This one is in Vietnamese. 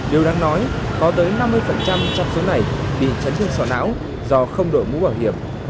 điều đáng nói có tới năm mươi trong số này bị trấn trương sỏ não do không đối mũ bảo hiểm